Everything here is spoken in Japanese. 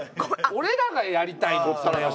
俺らがやりたいのよ